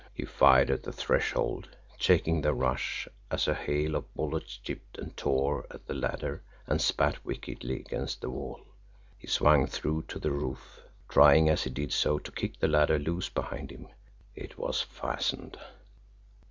He fired at the threshold, checking their rush as a hail of bullets chipped and tore at the ladder and spat wickedly against the wall. He swung through to the roof, trying, as he did so, to kick the ladder loose behind him. It was fastened!